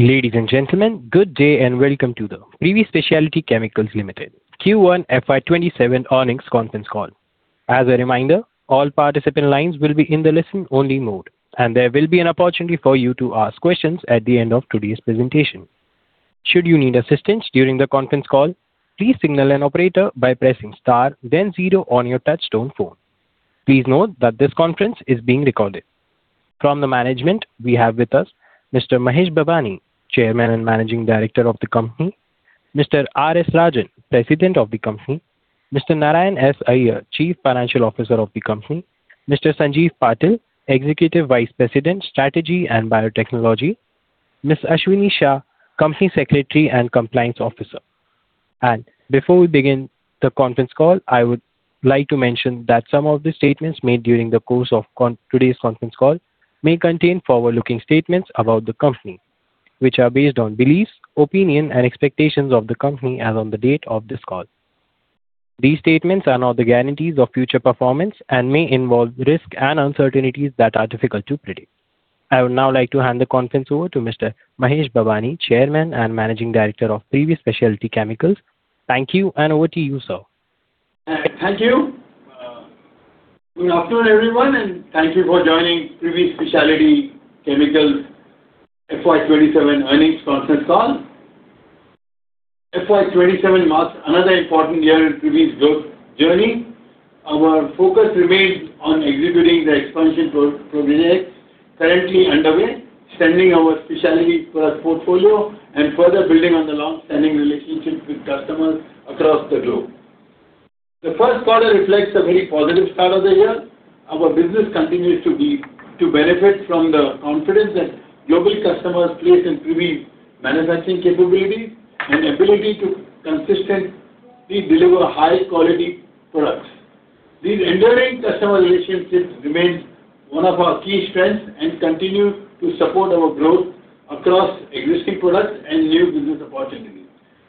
Ladies and gentlemen, good day and welcome to the Privi Speciality Chemicals Limited Q1 FY 2027 Earnings Conference Call. As a reminder, all participant lines will be in the listen only mode, and there will be an opportunity for you to ask questions at the end of today's presentation. Should you need assistance during the conference call, please signal an operator by pressing star then zero on your touch-tone phone. Please note that this conference is being recorded. From the management we have with us Mr. Mahesh Babani, Chairman and Managing Director of the company, Mr. R.S. Rajan, President of the company, Mr. Narayan S. Iyer, Chief Financial Officer of the company, Mr. Sanjeev Patil, Executive Vice President, Strategy and Biotechnology, Ms. Ashwini Shah, Company Secretary and Compliance Officer. Before we begin the conference call, I would like to mention that some of the statements made during the course of today's conference call may contain forward-looking statements about the company, which are based on beliefs, opinions, and expectations of the company as on the date of this call. These statements are not guarantees of future performance and may involve risks and uncertainties that are difficult to predict. I would now like to hand the conference over to Mr. Mahesh Babani, Chairman and Managing Director of Privi Speciality Chemicals. Thank you, and over to you, sir. Thank you. Good afternoon, everyone, and thank you for joining Privi Speciality Chemicals FY 2027 Earnings Conference Call. FY 2027 marks another important year in Privi's growth journey. Our focus remains on executing the expansion projects currently underway, strengthening our specialty portfolio, and further building on the longstanding relationships with customers across the globe. The first quarter reflects a very positive start of the year. Our business continues to benefit from the confidence that global customers place in Privi manufacturing capability and ability to consistently deliver high-quality products. These enduring customer relationships remain one of our key strengths and continue to support our growth across existing products and new business opportunities.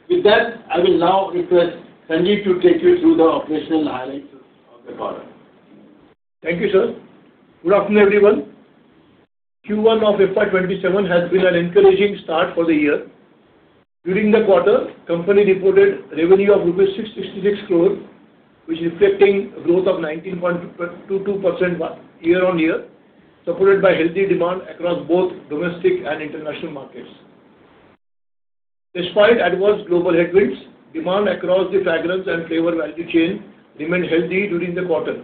With that, I will now request Sanjeev to take you through the operational highlights of the quarter. Thank you, sir. Good afternoon, everyone. Q1 of FY 2027 has been an encouraging start for the year. During the quarter, company reported revenue of INR 666 crore, which reflecting growth of 19.22% year-on-year, supported by healthy demand across both domestic and international markets. Despite adverse global headwinds, demand across the fragrance and flavor value chain remained healthy during the quarter.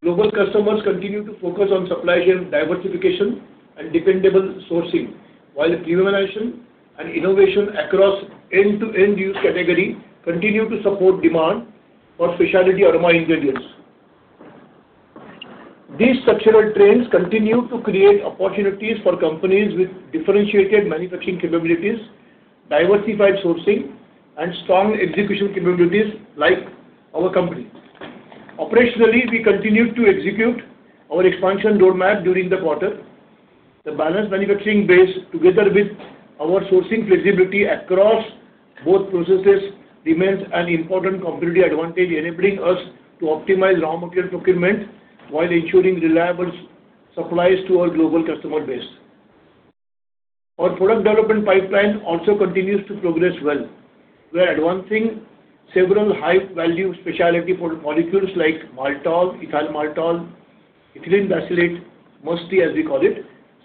Global customers continue to focus on supply chain diversification and dependable sourcing, while premiumization and innovation across end-to-end use category continue to support demand for specialty aroma ingredients. These structural trends continue to create opportunities for companies with differentiated manufacturing capabilities, diversified sourcing, and strong execution capabilities like our company. Operationally, we continued to execute our expansion roadmap during the quarter. The balanced manufacturing base together with our sourcing flexibility across both processes remains an important competitive advantage, enabling us to optimize raw material procurement while ensuring reliable supplies to our global customer base. Our product development pipeline also continues to progress well. We're advancing several high-value specialty molecules like maltol, ethyl maltol, ethylene brassylate, Musk T as we call it,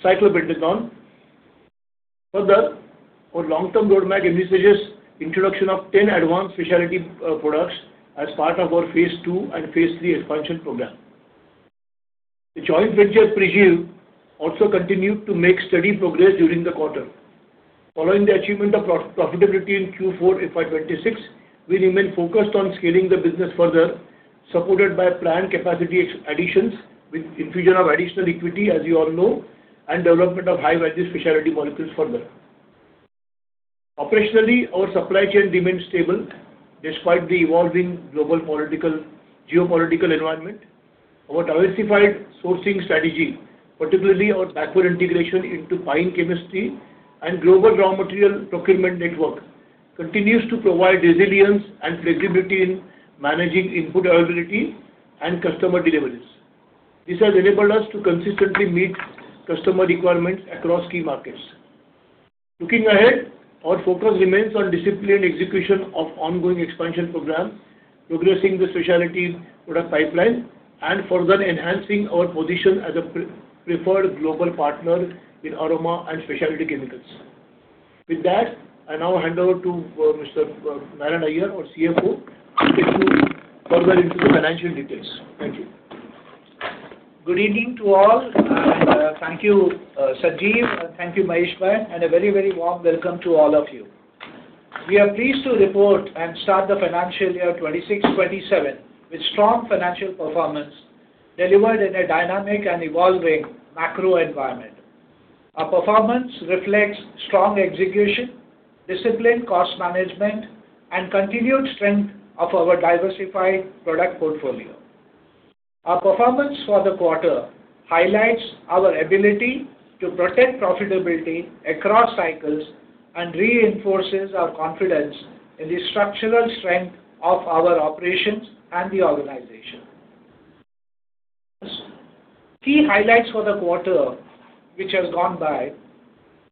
cyclopentanone. Our long-term roadmap envisages introduction of 10 advanced specialty products as part of our phase II and phase III expansion program. The joint venture, Prigiv, also continued to make steady progress during the quarter. Following the achievement of profitability in Q4 FY 2026, we remain focused on scaling the business further, supported by planned capacity additions with infusion of additional equity, as you all know, and development of high-value specialty molecules further. Operationally, our supply chain remains stable despite the evolving global geopolitical environment. Our diversified sourcing strategy, particularly our backward integration into pine chemistry and global raw material procurement network, continues to provide resilience and flexibility in managing input availability and customer deliveries. This has enabled us to consistently meet customer requirements across key markets. Looking ahead, our focus remains on disciplined execution of ongoing expansion program, progressing the specialty product pipeline, and further enhancing our position as a preferred global partner in aroma and specialty chemicals. With that, I now hand over to Mr. Narayan S. Iyer, our CFO, to take you further into the financial details. Thank you. Good evening to all. Thank you, Sanjeev, and thank you, Mahesh Babani, and a very warm welcome to all of you. We are pleased to report and start the financial year 2026/2027 with strong financial performance delivered in a dynamic and evolving macro environment. Our performance reflects strong execution, disciplined cost management, and continued strength of our diversified product portfolio. Our performance for the quarter highlights our ability to protect profitability across cycles and reinforces our confidence in the structural strength of our operations and the organization. Key highlights for the quarter which has gone by.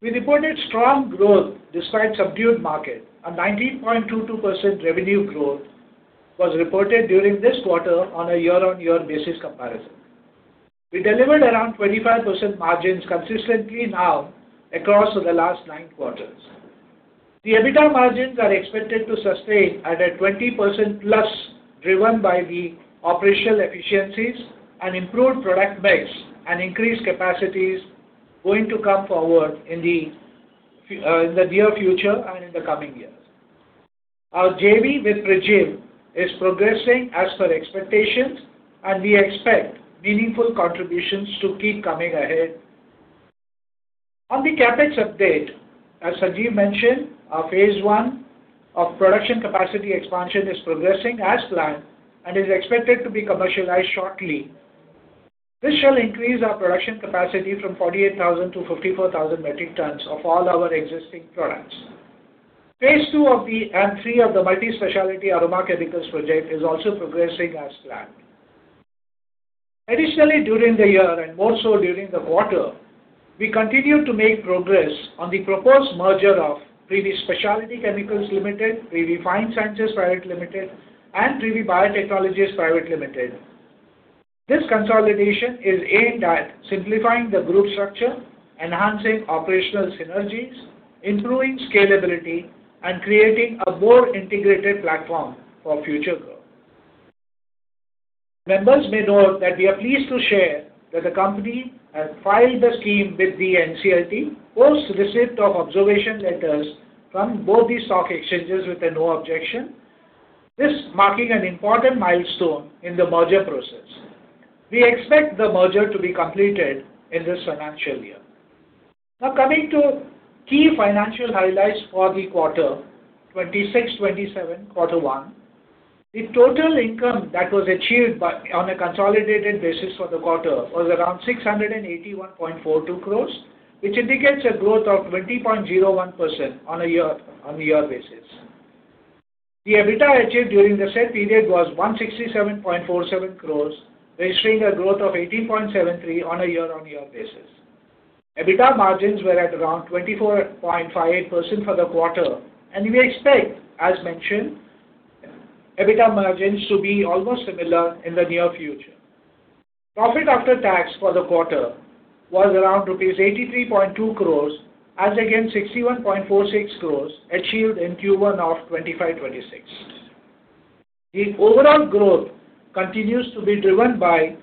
We reported strong growth despite subdued market. A 19.22% revenue growth was reported during this quarter on a year-on-year basis comparison. We delivered around 25% margins consistently now across the last 9 quarters. The EBITDA margins are expected to sustain at a 20%+, driven by the operational efficiencies and improved product mix and increased capacities going to come forward in the near future and in the coming years. Our JV with Prigiv is progressing as per expectations. We expect meaningful contributions to keep coming ahead. On the CapEx update, as Sanjeev mentioned, our phase I of production capacity expansion is progressing as planned and is expected to be commercialized shortly. This shall increase our production capacity from 48,000 to 54,000 metric tons of all our existing products. Phase II and III of the multi-specialty aroma chemicals project is also progressing as planned. During the year, and more so during the quarter, we continued to make progress on the proposed merger of Privi Speciality Chemicals Limited, Privi Fine Sciences Private Limited, and Privi Biotechnologies Private Limited. This consolidation is aimed at simplifying the group structure, enhancing operational synergies, improving scalability, and creating a more integrated platform for future growth. Members may note that we are pleased to share that the company has filed the scheme with the NCLT post receipt of observation letters from both the stock exchanges with a no objection, marking an important milestone in the merger process. We expect the merger to be completed in this financial year. Now coming to key financial highlights for the quarter 2026/2027, quarter one. The total income that was achieved on a consolidated basis for the quarter was around 681.42 crore, which indicates a growth of 20.01% on a year-on-year basis. The EBITDA achieved during the said period was 167.47 crore, registering a growth of 18.73% on a year-on-year basis. EBITDA margins were at around 24.58% for the quarter, and we expect, as mentioned, EBITDA margins to be almost similar in the near future. Profit after tax for the quarter was around rupees 83.2 crore as against 61.46 crore achieved in Q1 of 2025/2026. The overall growth continues to be driven by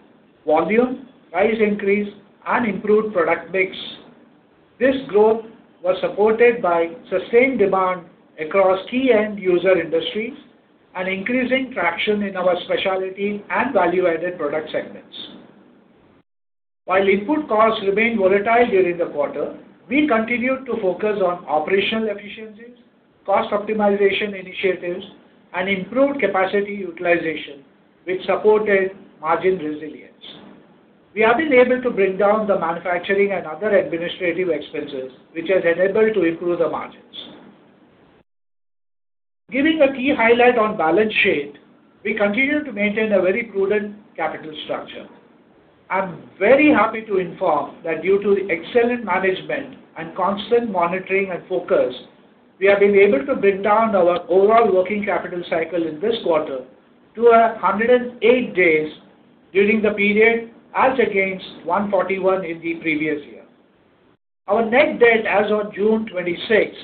volume, price increase, and improved product mix. This growth was supported by sustained demand across key end-user industries and increasing traction in our specialty and value-added product segments. While input costs remained volatile during the quarter, we continued to focus on operational efficiencies, cost optimization initiatives, and improved capacity utilization, which supported margin resilience. We have been able to bring down the manufacturing and other administrative expenses, which has enabled to improve the margins. Giving a key highlight on balance sheet, we continue to maintain a very prudent capital structure. I'm very happy to inform that due to the excellent management and constant monitoring and focus, we have been able to bring down our overall working capital cycle in this quarter to 108 days during the period, as against 141 in the previous year. Our net debt as on June 2026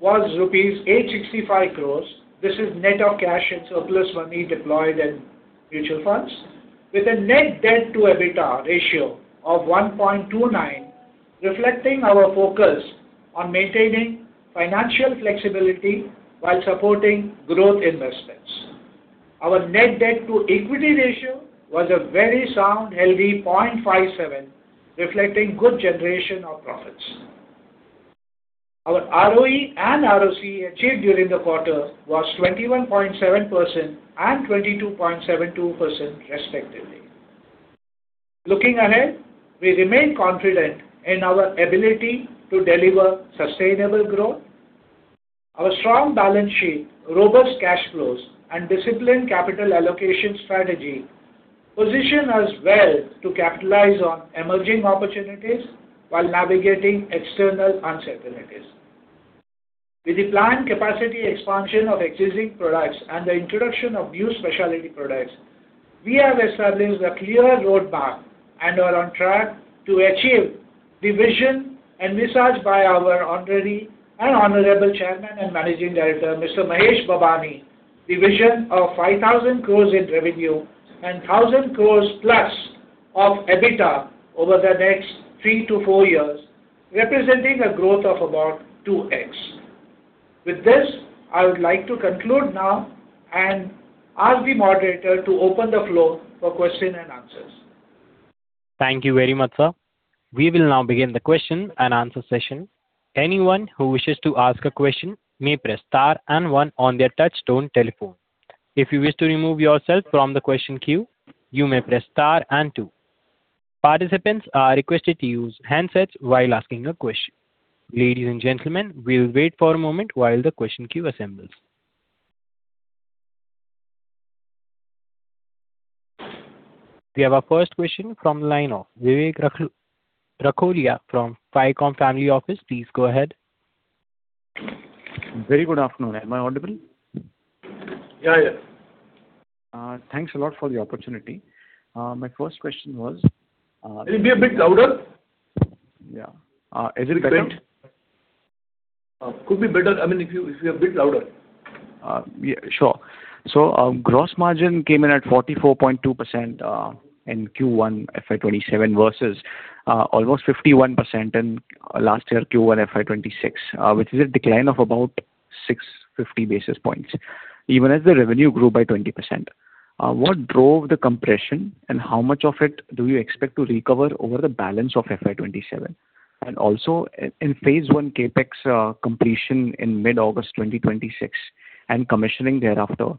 was rupees 865 crore. This is net of cash and surplus money deployed in mutual funds with a net debt to EBITDA ratio of 1.29, reflecting our focus on maintaining financial flexibility while supporting growth investments. Our net debt to equity ratio was a very sound, healthy 0.57, reflecting good generation of profits. Our ROE and ROC achieved during the quarter was 21.7% and 22.72% respectively. Looking ahead, we remain confident in our ability to deliver sustainable growth. Our strong balance sheet, robust cash flows, and disciplined capital allocation strategy position us well to capitalize on emerging opportunities while navigating external uncertainties. With the planned capacity expansion of existing products and the introduction of new specialty products, we have established a clear roadmap and are on track to achieve the vision envisaged by our honorary and honorable Chairman and Managing Director, Mr. Mahesh Babani. The vision of 5,000 crore in revenue and 1,000+ crore of EBITDA over the next three to four years, representing a growth of about 2x. With this, I would like to conclude now and ask the moderator to open the floor for question and answers. Thank you very much, sir. We will now begin the question and answer session. Anyone who wishes to ask a question may press star and one on their touch-tone telephone. If you wish to remove yourself from the question queue, you may press star and two. Participants are requested to use handsets while asking a question. Ladies and gentlemen, we will wait for a moment while the question queue assembles. We have our first question from line of Vivek Rakholiya from FiCOM Family Office. Please go ahead. Very good afternoon. Am I audible? Yeah. Thanks a lot for the opportunity. My first question was- Can you be a bit louder? Yeah. Is it better? Could be better. If you're a bit louder. Sure. Gross margin came in at 44.2% in Q1 FY 2027 versus almost 51% in last year Q1 FY 2026, which is a decline of about 650 basis points, even as the revenue grew by 20%. What drove the compression, and how much of it do you expect to recover over the balance of FY 2027? In phase I CapEx completion in mid-August 2026 and commissioning thereafter,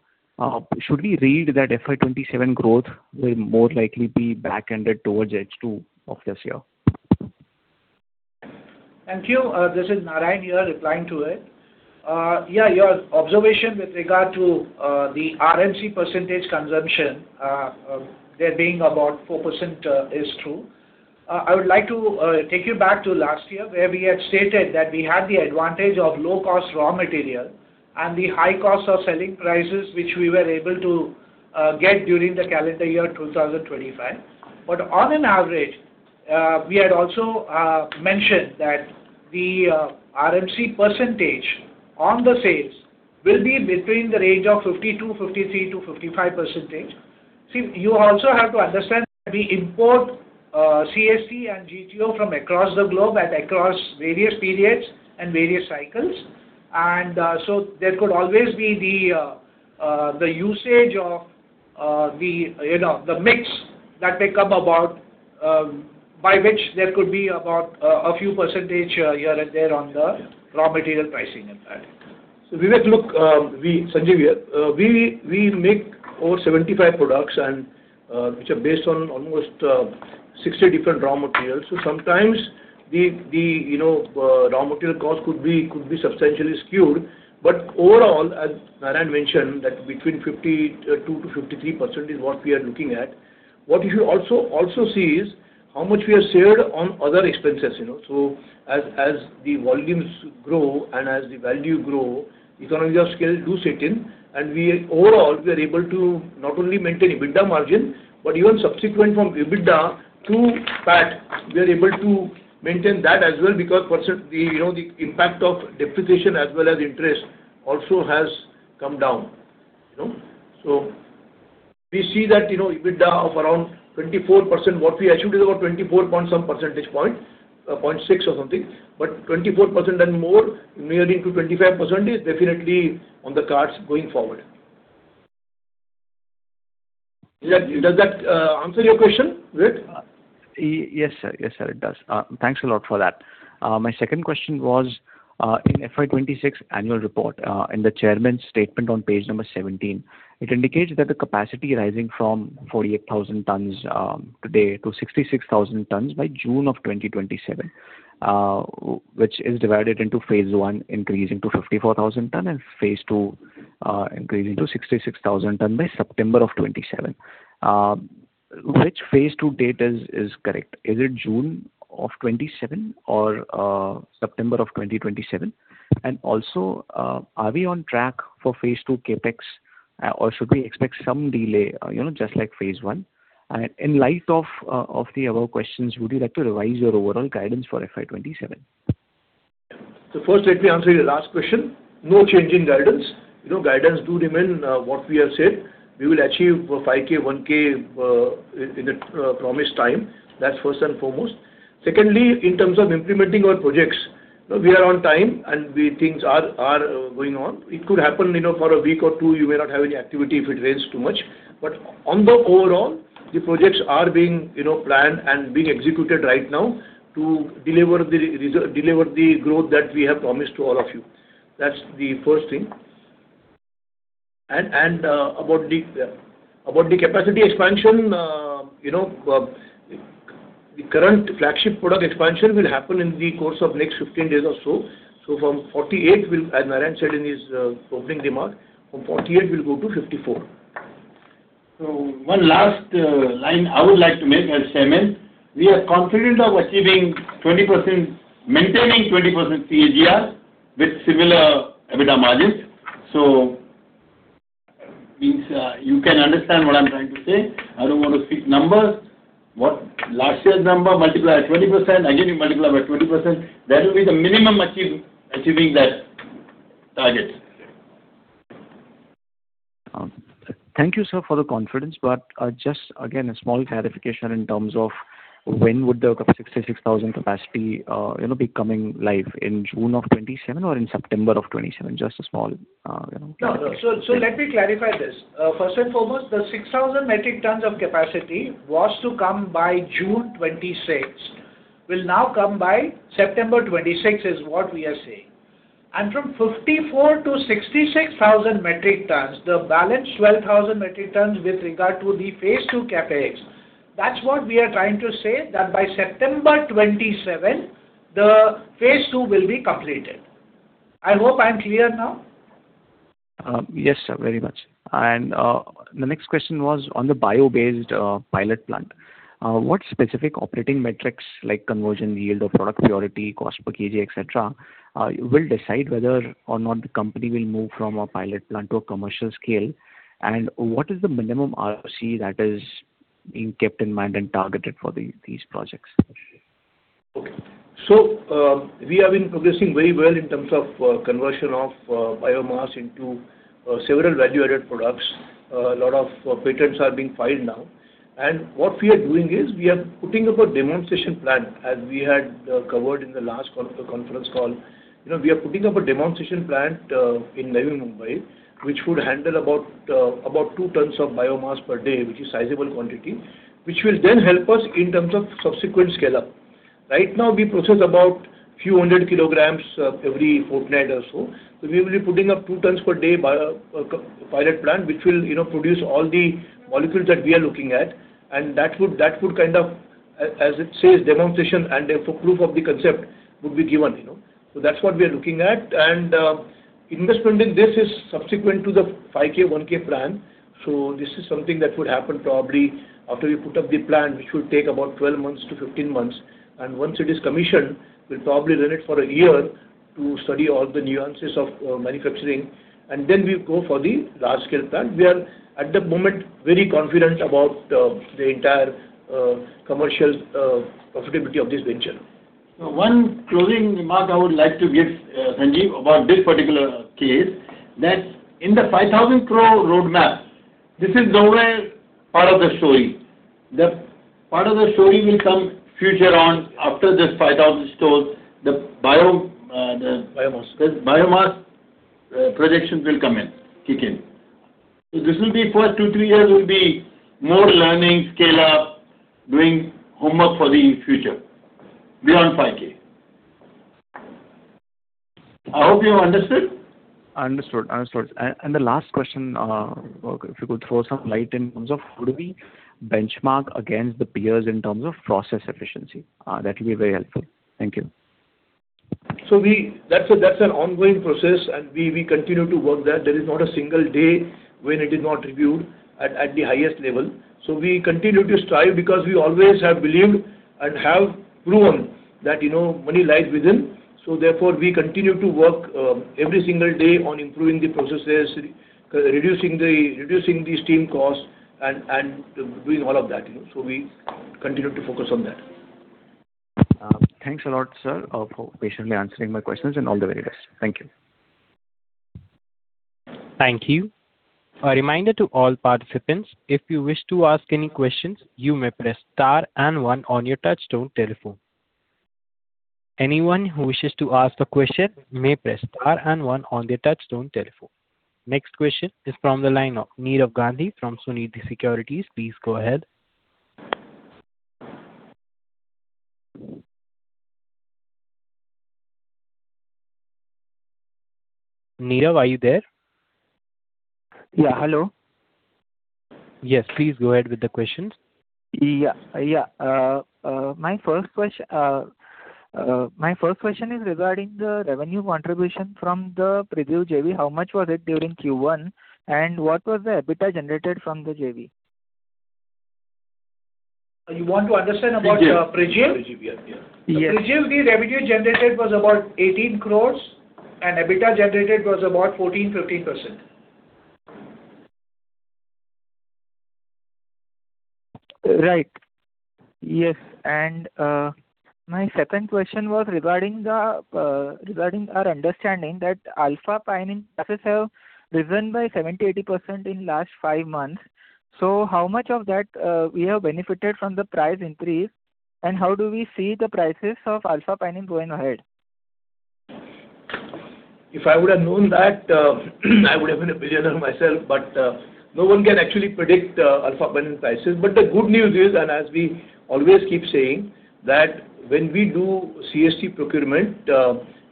should we read that FY 2027 growth will more likely be back-ended towards H2 of this year? Thank you. This is Narayan here replying to it. Your observation with regard to the RMC percentage consumption, there being about 4% is true. I would like to take you back to last year where we had stated that we had the advantage of low-cost raw material and the high cost of selling prices, which we were able to get during the calendar year 2025. On an average, we had also mentioned that the RMC percentage on the sales will be between the range of 52%, 53%-55%. You also have to understand we import CST and GTO from across the globe and across various periods and various cycles. There could always be the usage of the mix that may come about, by which there could be about a few percentage here and there on the raw material pricing impact. Vivek, look, Sanjeev here. We make over 75 products, which are based on almost 60 different raw materials. Sometimes the raw material cost could be substantially skewed. But overall, as Narayan mentioned, that between 52%-53% is what we are looking at. What you should also see is how much we have saved on other expenses. As the volumes grow and as the value grow, economies of scale do set in, and overall, we are able to not only maintain EBITDA margin, but even subsequent from EBITDA to PAT, we are able to maintain that as well because the impact of depreciation as well as interest also has come down. We see that EBITDA of around 24%, what we assumed is about 24 point some percentage point, 0.6 or something, but 24% and more, nearly to 25% is definitely on the cards going forward. Does that answer your question, Vivek? Yes, sir. It does. Thanks a lot for that. My second question was, in FY 2026 annual report, in the Chairman's statement on page number 17, it indicates that the capacity rising from 48,000 tons today to 66,000 tons by June of 2027, which is divided into phase I increase into 54,000 ton and phase II increase into 66,000 ton by September of 2027. Which phase II date is correct? Is it June of 2027 or September of 2027? Are we on track for phase II CapEx, or should we expect some delay, just like phase I? In light of the above questions, would you like to revise your overall guidance for FY 2027? First, let me answer your last question. No change in guidance. Guidance do remain what we have said. We will achieve 5,000 - 1000 in the promised time. That's first and foremost. Secondly, in terms of implementing our projects, we are on time, and things are going on. It could happen for a week or two, you may not have any activity if it rains too much. On the overall, the projects are being planned and being executed right now to deliver the growth that we have promised to all of you. That's the first thing. About the capacity expansion, the current flagship product expansion will happen in the course of next 15 days or so. From 48,000 tonnes, as Narayan said in his opening remark, from 48,000 tonnes, we'll go to 54,000 tonnes. One last line I would like to make as Chairman. We are confident of maintaining 20% CAGR with similar EBITDA margins. Means you can understand what I'm trying to say. I don't want to speak numbers. What last year's number multiply by 20%, again you multiply by 20%, that will be the minimum achieving that target. Thank you, sir, for the confidence. Just again, a small clarification in terms of when would the 66,000 tonnes capacity be coming live, in June of 2027 or in September of 2027? Just a small clarification. Let me clarify this. First and foremost, the 6,000 metric tons of capacity was to come by June 2026, will now come by September 2026 is what we are saying. From 54,000 to 66,000 metric tons, the balance 12,000 metric tons with regard to the phase II CapEx, that's what we are trying to say, that by September 2027, the phase II will be completed. I hope I'm clear now. Yes, sir, very much. The next question was on the bio-based pilot plant. What specific operating metrics like conversion yield or product purity, cost per kg, et cetera, will decide whether or not the company will move from a pilot plant to a commercial scale? What is the minimum ROCE that is being kept in mind and targeted for these projects? Okay. We have been progressing very well in terms of conversion of biomass into several value-added products. A lot of patents are being filed now. What we are doing is, we are putting up a demonstration plant, as we had covered in the last conference call. We are putting up a demonstration plant in Navi Mumbai, which would handle about two tons of biomass per day, which is a sizable quantity, which will then help us in terms of subsequent scale-up. Right now, we process about a few hundred kilograms every fortnight or so. We will be putting up two tons per day pilot plant, which will produce all the molecules that we are looking at, and that would, as it says, demonstration and therefore proof of the concept would be given. That's what we are looking at. Investment in this is subsequent to the 5,000 - 1000 plan. This is something that would happen probably after we put up the plant, which should take about 12-15 months. Once it is commissioned, we'll probably run it for a year to study all the nuances of manufacturing, and then we'll go for the large scale plant. We are, at the moment, very confident about the entire commercial profitability of this venture. One closing remark I would like to give, Sanjeev, about this particular case, that in the 5,000 crore roadmap, this is nowhere part of the story. The part of the story will come further on after this INR 5,000 crore. Biomass the biomass projections will come in, kick in. The first two, three years will be more learning, scale up, doing homework for the future beyond 5,000. I hope you understood. Understood. The last question, if you could throw some light in terms of how do we benchmark against the peers in terms of process efficiency? That will be very helpful. Thank you. That's an ongoing process, and we continue to work there. There is not a single day when it is not reviewed at the highest level. We continue to strive because we always have believed and have proven that money lies within. Therefore, we continue to work every single day on improving the processes, reducing the steam costs, and doing all of that. We continue to focus on that. Thanks a lot, sir, for patiently answering my questions and all the very best. Thank you. Thank you. A reminder to all participants, if you wish to ask any questions, you may press star and one on your touch-tone telephone. Anyone who wishes to ask a question may press star and one on their touch-tone telephone. Next question is from the line of Nirav Gandhi from Sunidhi Securities. Please go ahead. Nirav, are you there? Yeah. Hello. Yes, please go ahead with the questions. Yeah. My first question is regarding the revenue contribution from the Prigiv JV. How much was it during Q1, and what was the EBITDA generated from the JV? You want to understand about Prigiv? Prigiv, yeah. Yes. Prigiv's revenue generated was about 18 crore and EBITDA generated was about 14%-15%. Right. Yes. My second question was regarding our understanding that alpha-pinene prices have risen by 70%-80% in the last five months. How much of that we have benefited from the price increase, and how do we see the prices of alpha-pinene going ahead? If I would have known that, I would have been a billionaire myself, no one can actually predict alpha-pinene prices. The good news is, and as we always keep saying, that when we do CST procurement,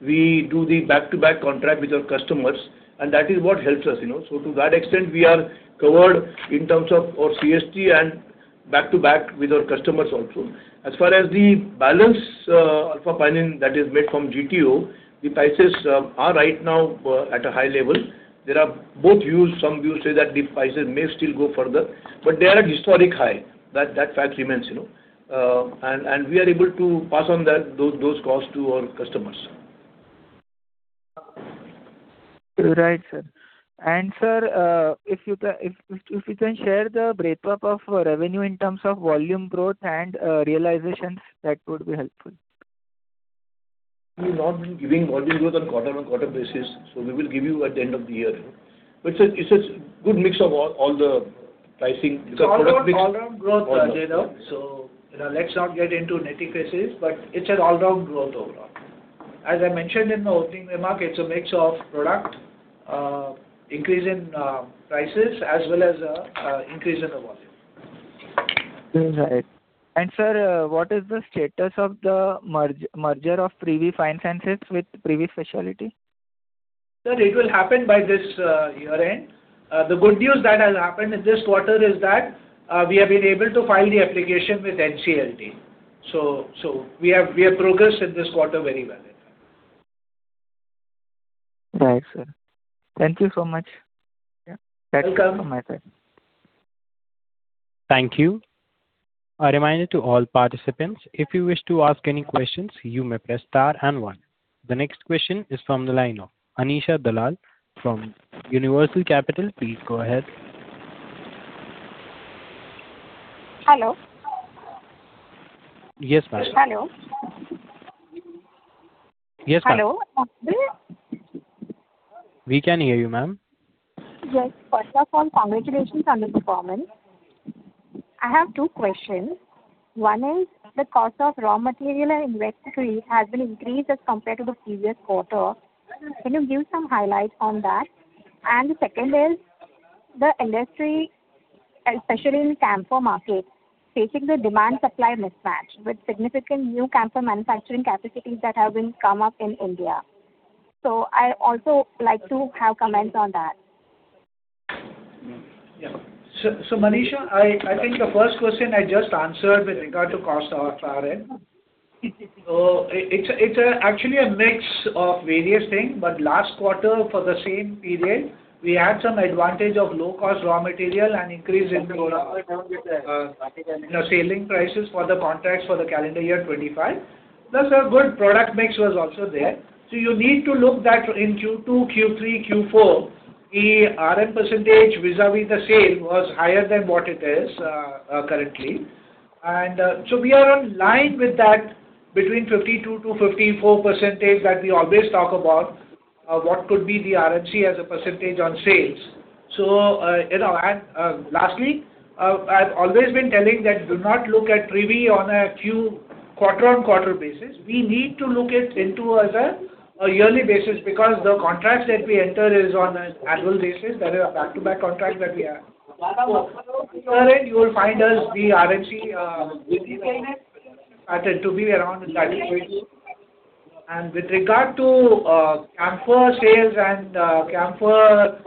we do the back-to-back contract with our customers, and that is what helps us. To that extent, we are covered in terms of our CST and back-to-back with our customers also. As far as the balance alpha-pinene that is made from GTO, the prices are right now at a high level. There are both views. Some views say that the prices may still go further, but they are at historic high. That fact remains. We are able to pass on those costs to our customers. Right, sir. Sir, if you can share the breakup of revenue in terms of volume growth and realizations, that would be helpful. We've not been giving volume growth on quarter-on-quarter basis, we will give you at the end of the year. It's a good mix of all the pricing product mix. It's all-round growth, Nirav. Let's not get into nitty-gritties, it's an all-round growth overall. As I mentioned in the opening remark, it's a mix of product, increase in prices, as well as increase in the volume. Sir, what is the status of the merger of Privi Fine Sciences with Privi Speciality? Sir, it will happen by this year-end. The good news that has happened in this quarter is that we have been able to file the application with NCLT. We have progressed in this quarter very well. Right, sir. Thank you so much. Welcome. That's all from my side. Thank you. A reminder to all participants, if you wish to ask any questions, you may press star and one. The next question is from the line of [Manisha Dalal from Universal Capital]. Please go ahead. Hello. Yes, madam. Hello. Yes, madam. Hello. We can hear you, ma'am. Yes. First of all, congratulations on the performance. I have two questions. One is, the cost of raw material and inventory has been increased as compared to the previous quarter. Can you give some highlights on that? The second is, the industry, especially in the camphor market, is facing the demand-supply mismatch with significant new camphor manufacturing capacities that have been come up in India. I also like to have comments on that. [Manisha], I think the first question I just answered with regard to cost of RM. It's actually a mix of various things, but last quarter, for the same period, we had some advantage of low-cost raw material and increase in the selling prices for the contracts for the calendar year 2025. Thus, a good product mix was also there. You need to look that in Q2, Q3, Q4, the RM percentage vis-à-vis the sale was higher than what it is currently. We are online with that between 52%-54% that we always talk about, what could be the RMC as a percentage on sales. Lastly, I've always been telling that do not look at Privi on a quarter-on-quarter basis. We need to look it into as a yearly basis because the contracts that we enter is on an annual basis. That is a back-to-back contract that we have. You will find us the RMC to be around 30-40. With regard to camphor sales and camphor.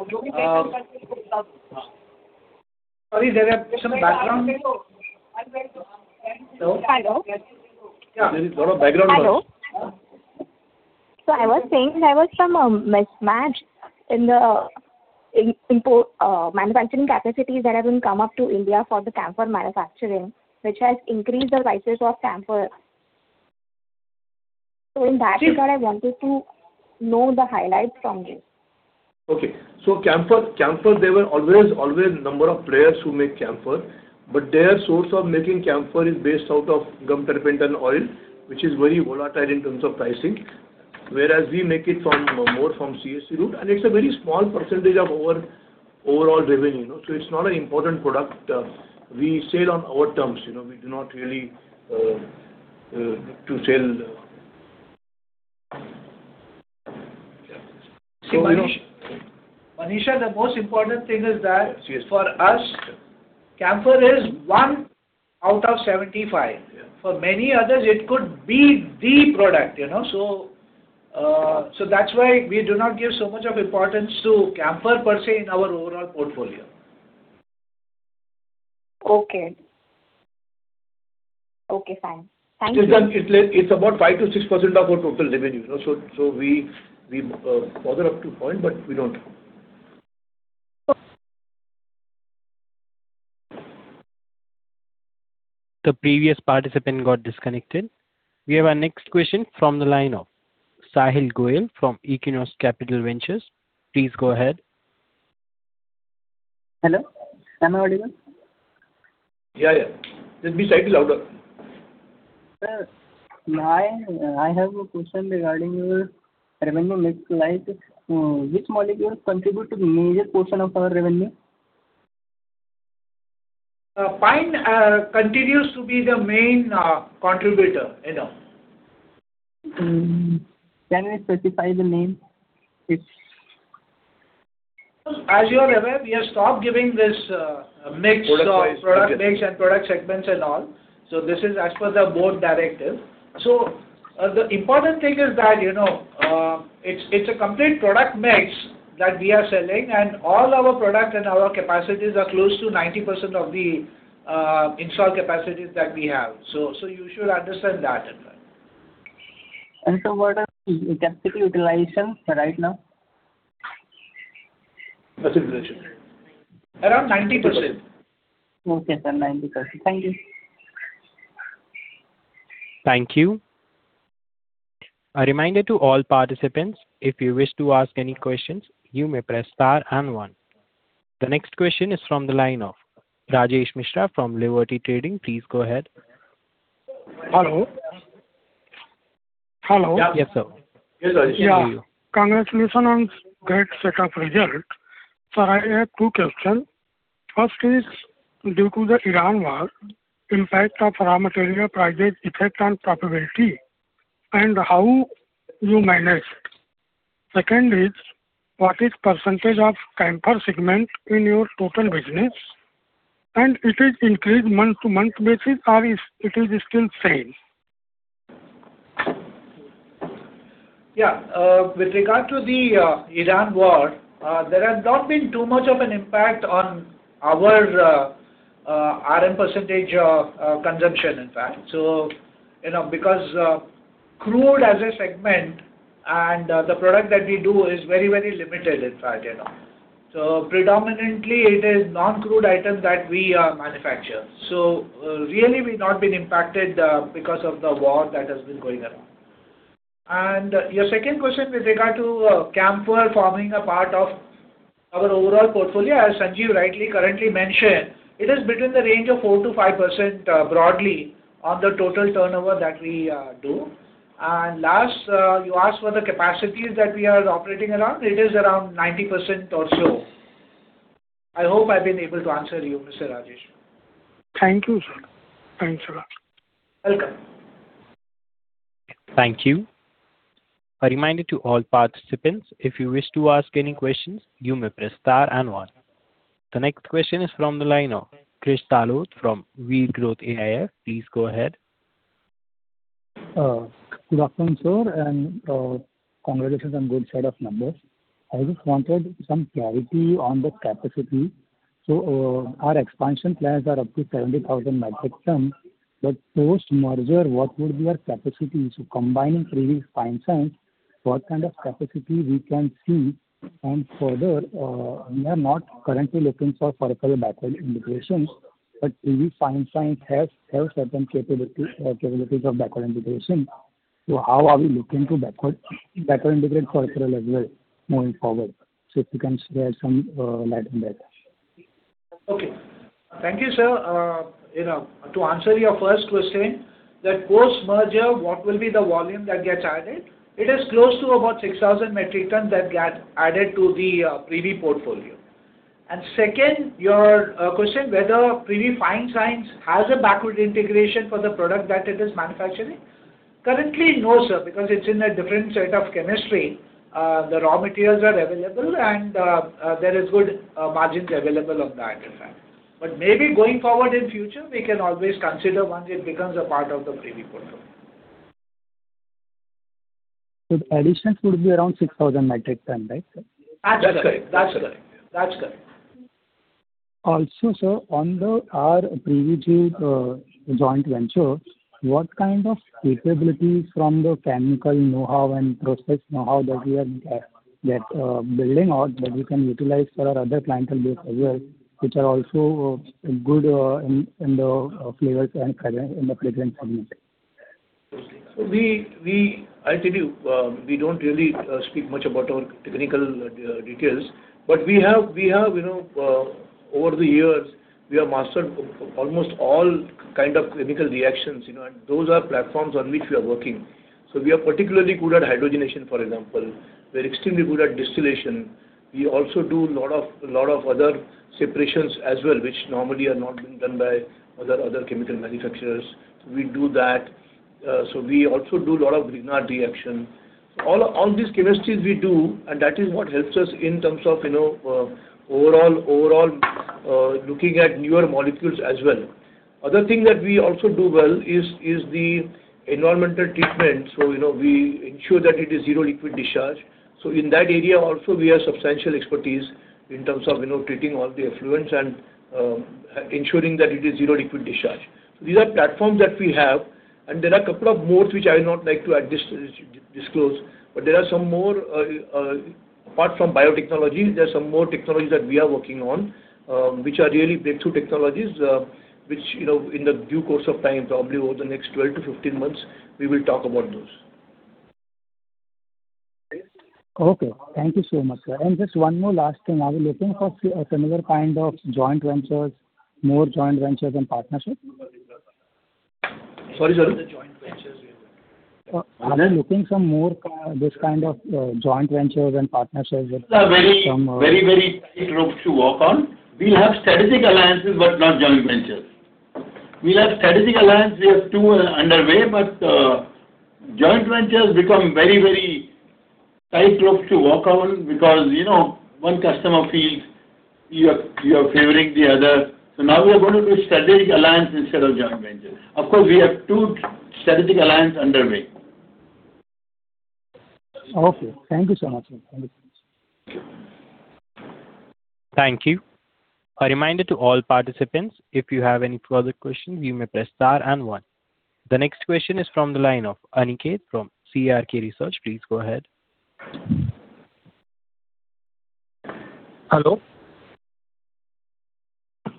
Hello. Yeah. There is lot of background noise. Hello. I was saying there was some mismatch in manufacturing capacities that have been come up to India for the camphor manufacturing, which has increased the prices of camphor. In that regard, I wanted to know the highlights from you. Okay. Camphor, there were always number of players who make camphor, but their source of making camphor is based out of gum turpentine oil, which is very volatile in terms of pricing. Whereas we make it more from CST route, it's a very small percentage of our overall revenue. It's not an important product. We sell on our terms. We do not really look to sell. [Manisha], the most important thing is that for us, camphor is one 1/75. Yeah. For many others, it could be the product. That's why we do not give so much of importance to camphor per se in our overall portfolio. Okay. Okay, fine. Thank you. It's about 5%-6% of our total revenue. We bother up to a point, but we don't. The previous participant got disconnected. We have our next question from the line of Sahil Goyal from Equinox Capital Ventures. Please go ahead. Hello. Am I audible? Yeah. Just be slightly louder. Sir, I have a question regarding your revenue mix. Which molecules contribute to the major portion of our revenue? Pine continues to be the main contributor. Can you specify the name? As you are aware, we have stopped giving this mix of product mix and product segments and all. This is as per the board directive. The important thing is that it's a complete product mix that we are selling and all our product and our capacities are close to 90% of the installed capacities that we have. You should understand that. Sir, what are the capacity utilization right now? Capacity utilization. Around 90%. Okay, sir. 90%. Thank you. Thank you. A reminder to all participants, if you wish to ask any questions, you may press star and one. The next question is from the line of [Rajesh Mishra from Liberty Trading]. Please go ahead. Hello. Yes, sir. We can hear you. Yeah. Congratulations on great set of result. Sir, I have two question. First is, due to the Iran war, impact of raw material prices effect on profitability and how you manage? Second is, what is percentage of camphor segment in your total business, and it is increased month-to-month basis or it is still same? Yeah. With regard to the Iran war, there has not been too much of an impact on our RM percentage consumption in fact. Because crude as a segment and the product that we do is very limited in fact. So predominantly it is non-crude items that we manufacture. So really we've not been impacted because of the war that has been going around. And your second question with regard to camphor forming a part of our overall portfolio, as Sanjeev rightly currently mentioned, it is between the range of 4%-5% broadly on the total turnover that we do. And last, you asked for the capacities that we are operating around, it is around 90% or so. I hope I've been able to answer you, [Mr. Rajesh]. Thank you, sir. Thanks a lot. Welcome. Thank you. A reminder to all participants, if you wish to ask any questions, you may press star and one. The next question is from the line of [Krish Talot from WeGrowth AIF]. Please go ahead. Good afternoon, sir, and congratulations on good set of numbers. I just wanted some clarity on the capacity. So our expansion plans are up to 70,000 metric ton, but post-merger, what would be our capacity? So combining Privi Fine Sciences, what kind of capacity we can see? And further, we are not currently looking for vertical backward integrations, but Privi Fine Sciences has certain capabilities of backward integration. So how are we looking to backward integrate vertical as well moving forward? So if you can shed some light on that. Okay. Thank you, sir. To answer your first question, that post-merger, what will be the volume that gets added? It is close to about 6,000 metric ton that get added to the Privi portfolio. Second, your question whether Privi Fine Sciences has a backward integration for the product that it is manufacturing. Currently, no, sir, because it's in a different set of chemistry. The raw materials are available and there is good margins available on that in fact. Maybe going forward in future, we can always consider once it becomes a part of the Privi portfolio. The additions would be around 6,000 metric ton, right, sir? That's correct. Also, sir, on our Prigiv joint venture, what kind of capabilities from the chemical know-how and process know-how that we are building out that we can utilize for our other clientele base as well, which are also good in the flavors and colorants, in the flavorant segment? We don't really speak much about our technical details, over the years, we have mastered almost all kind of chemical reactions, and those are platforms on which we are working. We are particularly good at hydrogenation, for example. We're extremely good at distillation. We also do lot of other separations as well, which normally are not being done by other chemical manufacturers. We do that. We also do a lot of Grignard reaction. All these chemistries we do, and that is what helps us in terms of overall looking at newer molecules as well. Other thing that we also do well is the environmental treatment. We ensure that it is zero liquid discharge. In that area also, we have substantial expertise in terms of treating all the effluents and ensuring that it is zero liquid discharge. These are platforms that we have, and there are a couple of more which I would not like to disclose. Apart from biotechnology, there are some more technologies that we are working on, which are really breakthrough technologies, which in the due course of time, probably over the next 12-15 months, we will talk about those. Okay. Thank you so much, sir. Just one more last thing. Are we looking for a similar kind of joint ventures, more joint ventures and partnerships? Sorry, sir. The joint ventures we have. Are we looking for more this kind of joint ventures and partnerships? Very tight ropes to walk on. We'll have strategic alliances, but not joint ventures. We'll have strategic alliances, we have two underway, but joint ventures become very tight ropes to walk on because one customer feels you are favoring the other. Now we are going to do a strategic alliance instead of joint venture. Of course, we have two strategic alliance underway. Okay. Thank you so much. Thank you. A reminder to all participants, if you have any further questions, you may press star and one. The next question is from the line of Aniket from CRK Research. Please go ahead. Hello.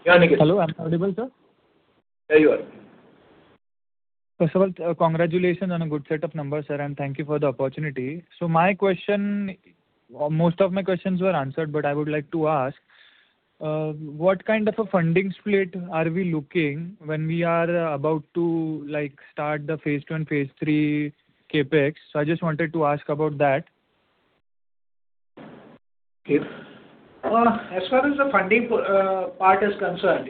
Yeah, Aniket. Hello, I'm audible, sir? Yeah, you are. First of all, congratulations on a good set of numbers, sir, and thank you for the opportunity. Most of my questions were answered, but I would like to ask, what kind of a funding split are we looking when we are about to start the phase II and phase III CapEx? I just wanted to ask about that. As far as the funding part is concerned,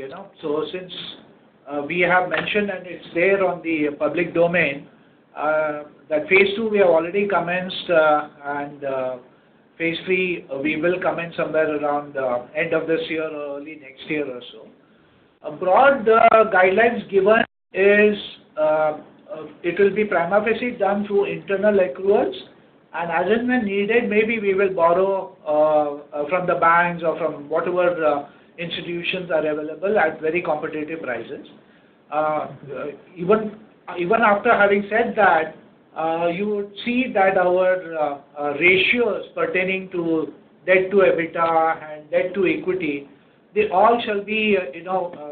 since we have mentioned and it's there on the public domain, that phase II we have already commenced, and phase III, we will commence somewhere around end of this year or early next year or so. A broad guidelines given is it will be prima facie done through internal accruals, and as and when needed, maybe we will borrow from the banks or from whatever institutions are available at very competitive prices. Even after having said that, you would see that our ratios pertaining to debt to EBITDA and debt to equity, they all shall be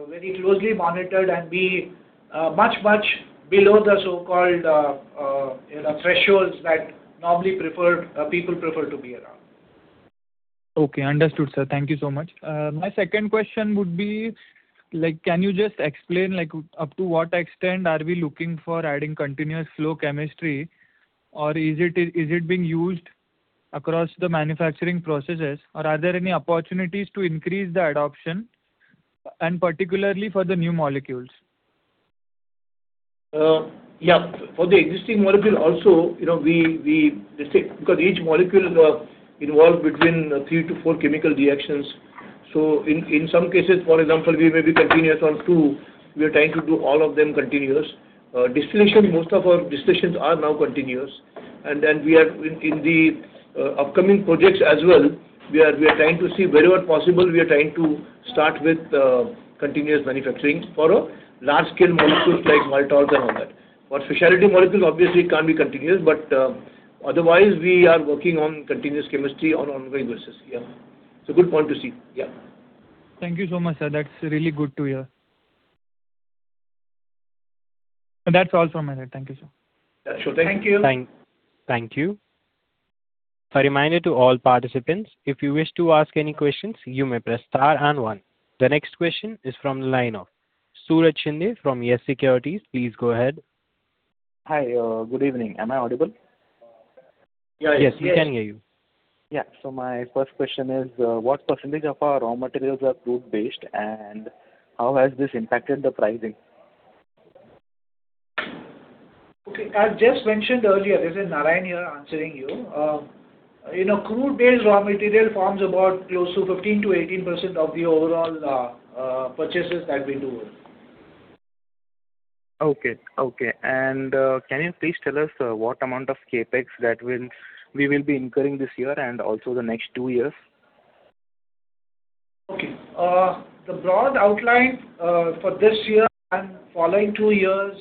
very closely monitored and be much below the so-called thresholds that normally people prefer to be around. Okay, understood, sir. Thank you so much. My second question would be, can you just explain up to what extent are we looking for adding continuous flow chemistry, or is it being used across the manufacturing processes? Are there any opportunities to increase the adoption and particularly for the new molecules? Yes. For the existing molecule also, because each molecule involve between three to four chemical reactions. In some cases, for example, we may be continuous on two, we are trying to do all of them continuous. Distillation, most of our distillations are now continuous. In the upcoming projects as well, we are trying to see wherever possible, we are trying to start with continuous manufacturing for a large-scale molecule like maltol and all that. For specialty molecule, obviously it can't be continuous, but otherwise, we are working on continuous chemistry on ongoing basis. Yeah. It's a good point to see. Yeah. Thank you so much, sir. That's really good to hear. That's all from my end. Thank you, sir. Sure thing. Thank you. Thank you. Thank you. A reminder to all participants, if you wish to ask any questions, you may press star and one. The next question is from the line of [Suraj Shinde] from YES Securities. Please go ahead. Hi. Good evening. Am I audible? Yes. Yes, we can hear you. Yeah. My first question is, what percentage of our raw materials are crude-based, and how has this impacted the pricing? Okay. I just mentioned earlier, this is Narayan here answering you. Crude-based raw material forms about close to 15%-18% of the overall purchases that we do. Okay. Can you please tell us what amount of CapEx that we will be incurring this year and also the next two years? Okay. The broad outline for this year and following two years,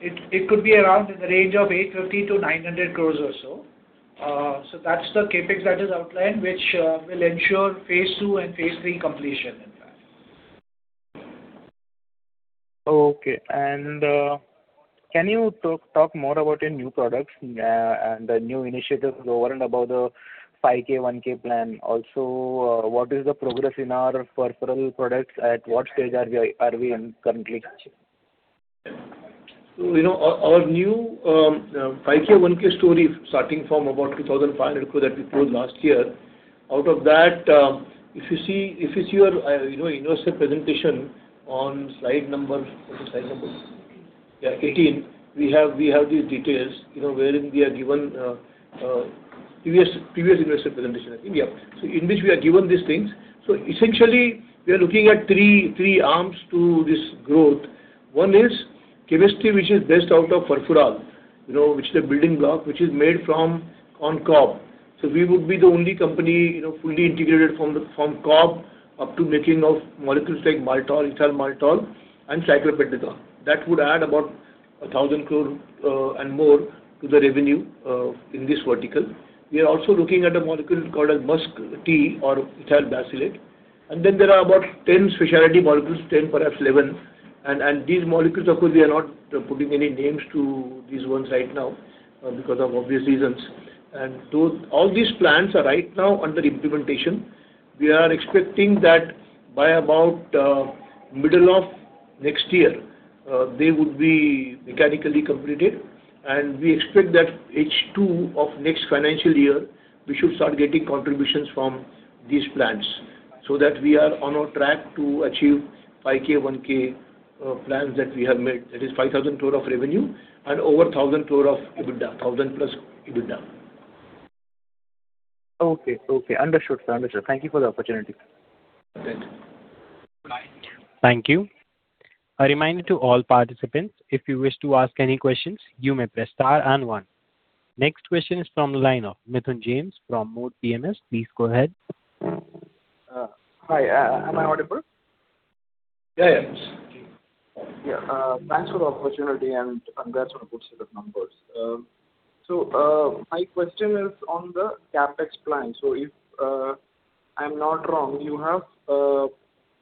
it could be around in the range of 850 crore-900 crore or so. That's the CapEx that is outlined, which will ensure phase II and phase III completion in fact. Okay. Can you talk more about your new products and the new initiatives over and above the 5,000-1,000 plan? Also, what is the progress in our furfural products? At what stage are we in currently? Our new 5,000-1,000 story starting from about 2,500 crore that we told last year. Out of that, if you see your investor presentation on slide number. 18. 18, we have these details wherein we are given previous investor presentation, I think. In which we are given these things. Essentially, we are looking at three arms to this growth. One is chemistry, which is based out of furfural, which is a building block, which is made from corn cob. We would be the only company fully integrated from cob up to making of molecules like maltol, ethyl maltol, and cyclopentanone. That would add about 1,000 crore and more to the revenue in this vertical. We are also looking at a molecule called Musk T or ethyl vanillate. Then there are about 10 specialty molecules, 10, perhaps 11. These molecules, of course, we are not putting any names to these ones right now because of obvious reasons. All these plans are right now under implementation. We are expecting that by about middle of next year, they would be mechanically completed. We expect that H2 of next financial year, we should start getting contributions from these plants so that we are on our track to achieve 5,000-1,000 plans that we have made. That is 5,000 crore of revenue and over 1,000 crore of EBITDA, 1,000+ EBITDA. Understood, sir. Thank you for the opportunity. Okay. Thank you. A reminder to all participants, if you wish to ask any questions, you may press star and one. Next question is from the line of [Nathan James from Moore PMS]. Please go ahead. Hi. Am I audible? Yeah. Yes. Thanks for the opportunity and congrats on a good set of numbers. My question is on the CapEx plan. If I'm not wrong,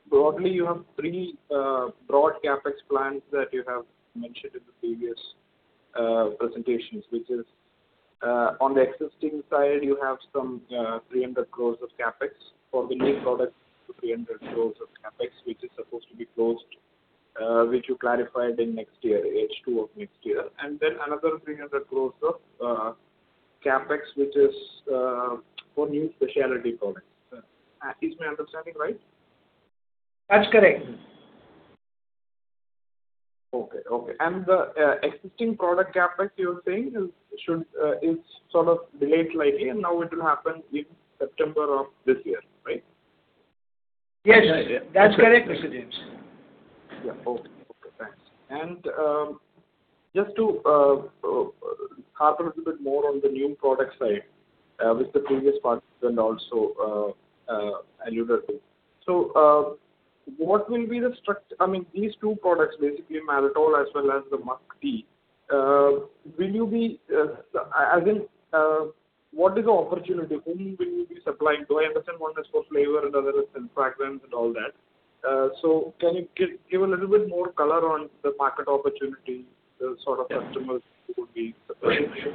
broadly you have three broad CapEx plans that you have mentioned in the previous presentations, which is, on the existing side, you have some 300 crore of CapEx. For the new product, 300 crore of CapEx, which is supposed to be closed, which you clarified in next year, H2 of next year. Another 300 crore of CapEx, which is for new speciality products. Is my understanding right? That's correct. Okay. The existing product CapEx you're saying is sort of delayed slightly, and now it will happen in September of this year, right? Yes. Yeah. That's correct, Mr. James. Yeah. Okay, thanks. Just to harp a little bit more on the new product side, which the previous participant also alluded to. These two products, basically maltol as well as the Musk T, what is the opportunity? Whom will you be supplying to? I understand one is for flavor and the other is in fragrance and all that. Can you give a little bit more color on the market opportunity, the sort of customers you would be supplying to?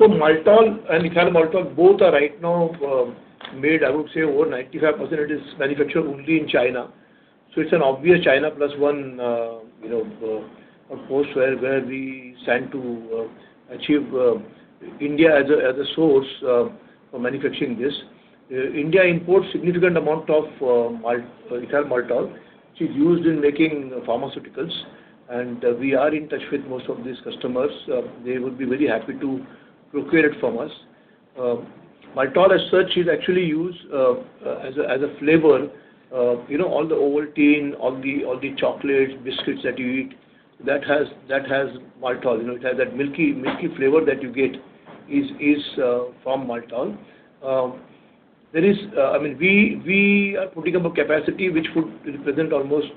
Maltol and ethyl maltol both are right now made, I would say, over 95% it is manufactured only in China. It's an obvious China plus one of course, where we stand to achieve India as a source for manufacturing this. India imports significant amount of ethyl maltol, which is used in making pharmaceuticals, and we are in touch with most of these customers. They would be very happy to procure it from us. Maltol as such is actually used as a flavor. All the Ovaltine, all the chocolate biscuits that you eat, that has maltol. It has that milky flavor that you get is from maltol. We are putting up a capacity which would represent almost,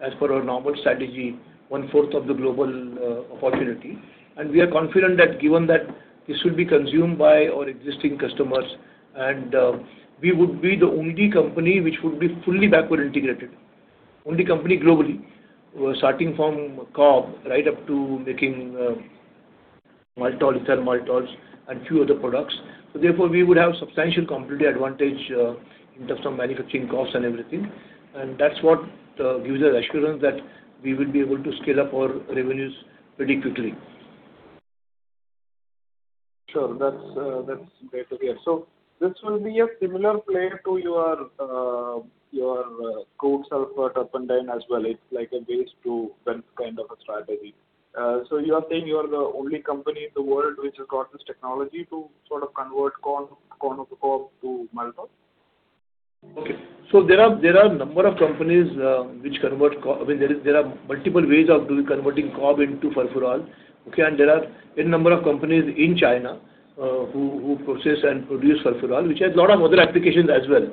as per our normal strategy, one fourth of the global opportunity. We are confident that given that this will be consumed by our existing customers, and we would be the only company which would be fully backward integrated. Only company globally, starting from cob right up to making maltol, ethyl maltol and few other products. Therefore, we would have substantial competitive advantage in terms of manufacturing costs and everything. That's what gives us assurance that we will be able to scale up our revenues very quickly. Sure. That's great to hear. This will be a similar play to your crude sulfate turpentine as well. It's like a waste to wealth kind of a strategy. You are saying you are the only company in the world which has got this technology to sort of convert cob to maltol? Okay. There are a number of companies which convert cob. There are multiple ways of doing converting cob into furfural. Okay. There are n number of companies in China who process and produce furfural, which has lot of other applications as well.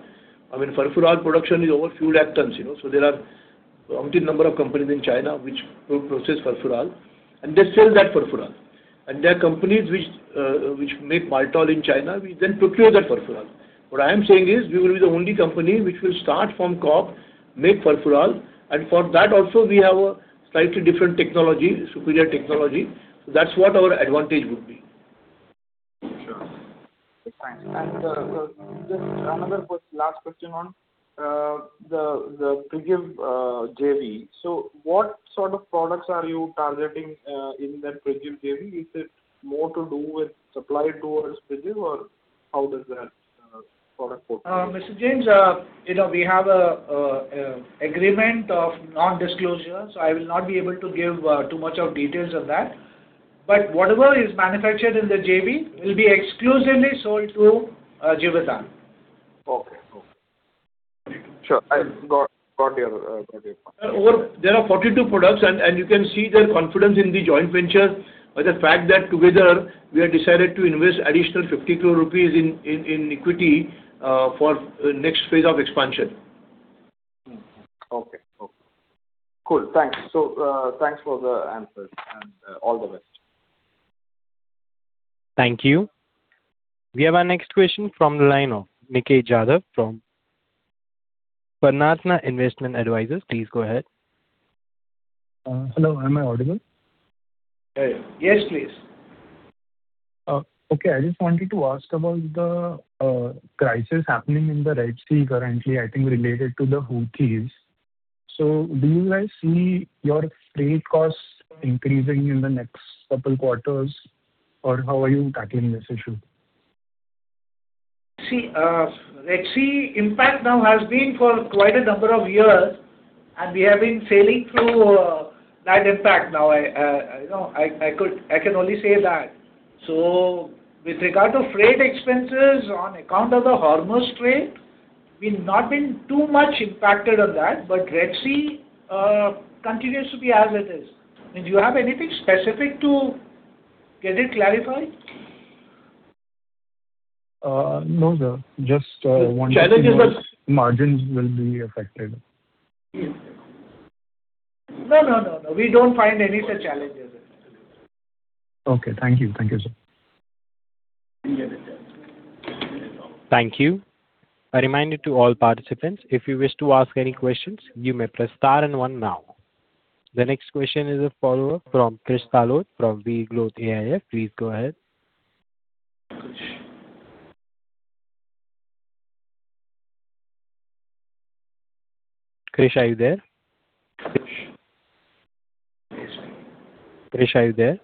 Furfural production is over few lakh tons, there are umpteen number of companies in China which process furfural, and they sell that furfural. There are companies which make maltol in China, we procure that furfural. What I am saying is, we will be the only company which will start from cob, make furfural, and for that also, we have a slightly different technology, superior technology. That's what our advantage would be. Sure. Thanks. Just another last question on the Prigiv JV. What sort of products are you targeting in that Prigiv JV? Is it more to do with supply towards Prigiv, or how does that product portfolio- Mr. James, we have an agreement of non-disclosure, I will not be able to give too much of details of that. Whatever is manufactured in the JV will be exclusively sold to Givaudan. Okay. Cool. Sure. I got your point. There are 42 products. You can see their confidence in the joint venture by the fact that together we have decided to invest additional 50 crore rupees in equity for next phase of expansion. Okay. Cool. Thanks. Thanks for the answers, all the best. Thank you. We have our next question from the line of Nikhil Jadhav from Purnartha Investment Advisors. Please go ahead. Hello, am I audible? Yes, please. Okay. I just wanted to ask about the crisis happening in the Red Sea currently, I think related to the Houthis. Do you guys see your freight costs increasing in the next couple quarters, or how are you tackling this issue? Red Sea impact now has been for quite a number of years, and we have been sailing through that impact now. I can only say that. With regard to freight expenses on account of the Hormuz Strait, we've not been too much impacted on that, but Red Sea continues to be as it is. Do you have anything specific to get it clarified? No, sir. Just wondering. Challenges that. Margins will be affected. No. We don't find any such challenges. Okay. Thank you. Thank you, sir. We are done. Thank you. A reminder to all participants, if you wish to ask any questions, you may press star and one now. The next question is a follower from [Krish Talot from WeGrowth AIF]. Please go ahead. Krish. Krish, are you there? Krish. Krish, are you there?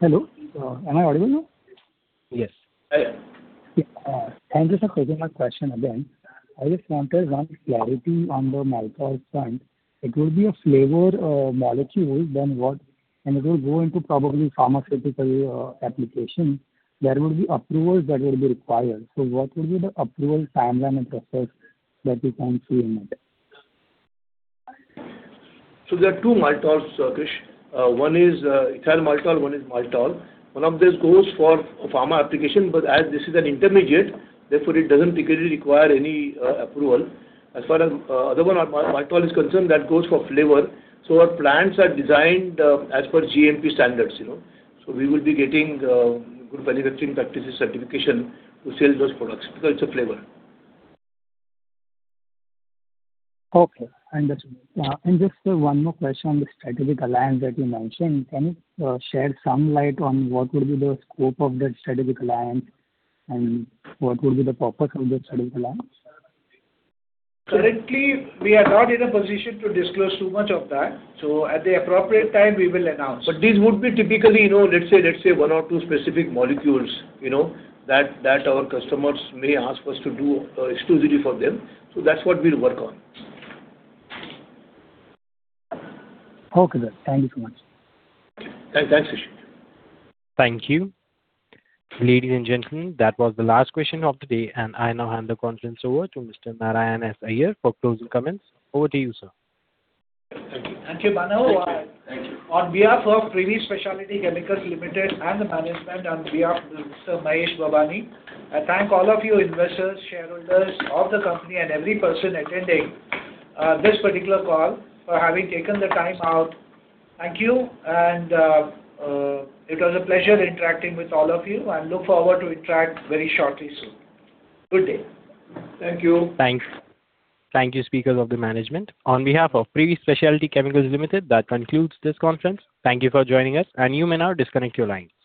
Hello. Am I audible now? Yes. Thank you, sir, for taking my question again. I just wanted one clarity on the maltol front. It will be a flavor molecule, and it will go into probably pharmaceutical application. There will be approvals that will be required. What will be the approval timeline and process that we can see in that? There are two maltols, Krish. One is ethyl maltol, one is maltol. One of these goes for a pharma application, but as this is an intermediate, therefore it doesn't particularly require any approval. As far as the other one, maltol, is concerned, that goes for flavor. Our plants are designed as per GMP standards. We will be getting Good Manufacturing Practices certification to sell those products, because it's a flavor. Okay. Just one more question on the strategic alliance that you mentioned. Can you shed some light on what will be the scope of that strategic alliance and what will be the purpose of that strategic alliance? Currently, we are not in a position to disclose too much of that. At the appropriate time, we will announce. These would be typically, let's say, one or two specific molecules that our customers may ask us to do exclusively for them. That's what we'll work on. Okay, sir. Thank you so much. Thanks, Krish. Thank you. Ladies and gentlemen, that was the last question of the day. I now hand the conference over to Mr. Narayan S. Iyer for closing comments. Over to you, sir. Thank you. Thank you, Manav. Thank you. On behalf of Privi Speciality Chemicals Limited and the management, on behalf of Mr. Mahesh Babani, I thank all of you investors, shareholders of the company and every person attending this particular call for having taken the time out. Thank you, and it was a pleasure interacting with all of you, and look forward to interact very shortly soon. Good day. Thank you. Thanks. Thank you, speakers of the management. On behalf of Privi Speciality Chemicals Limited, that concludes this conference. Thank you for joining us, and you may now disconnect your line.